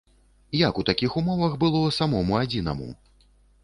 Як у такіх умовах было самому адзінаму?